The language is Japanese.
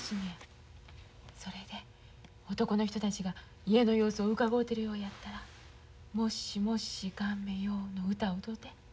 それで男の人たちが家の様子をうかごうてるようやったら「もしもしかめよ」の歌を歌うて。